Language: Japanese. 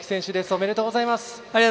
ありがとうございます。